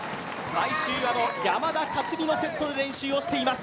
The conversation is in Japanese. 山田勝己のセットで練習をしています。